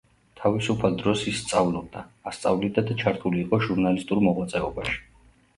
თავისუფალ დროს ის სწავლობდა, ასწავლიდა და ჩართული იყო ჟურნალისტურ მოღვაწეობაში.